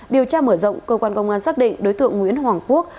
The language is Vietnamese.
điều tra mở rộng cơ quan công an xác định đối tượng nguyễn hoàng quốc